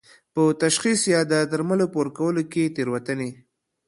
په تشخیص یا د درملو په ورکولو کې تېروتنې